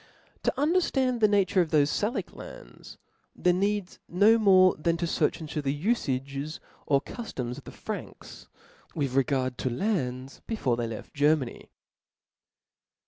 To underftand the nature of thofe Salic lands, there needs no more than to fearch intcf the ufagcs or cuftoms of the Franks with regard to lands, before they left Germany.